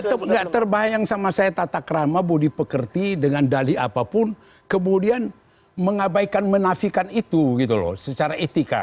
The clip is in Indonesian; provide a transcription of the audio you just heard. tetap nggak terbayang sama saya tatak rama budi pekerti dengan dali apapun kemudian mengabaikan menafikan itu gitu loh secara etika